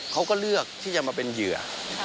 เขาก็เลือกที่จะมาเป็นเหยื่อ